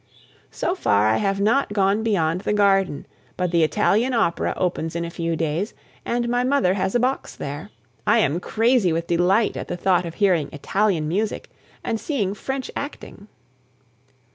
So far I have not gone beyond the garden; but the Italian opera opens in a few days, and my mother has a box there. I am crazy with delight at the thought of hearing Italian music and seeing French acting.